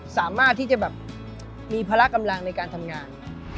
สามารถที่จะแบบมีพละกำลังในการทำงาน